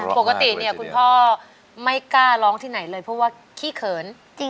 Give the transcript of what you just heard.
ปกติเนี่ยคุณพ่อไม่กล้าร้องที่ไหนเลยเพราะว่าขี้เขิน